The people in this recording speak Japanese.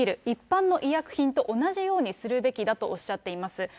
一般の医薬品と同じようにするべきだとおっしゃっています。